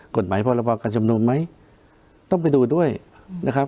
กฎหมายพอระวักการชุมนุมไหมต้องไปดูด้วยนะครับ